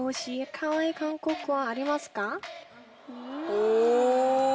お！